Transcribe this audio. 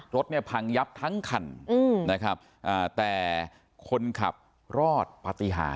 รถเนี่ยพังยับทั้งคันนะครับแต่คนขับรอดปฏิหาร